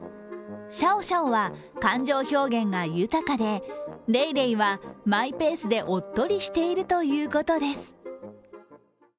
シャオシャオは感情表現が豊かでレイレイはマイペースでおっとりしているということです。